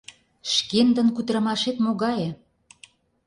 Шкендын кутырымашет могае?